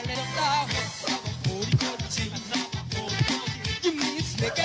เอาสิ